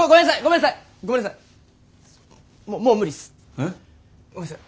えっ？ごめんなさい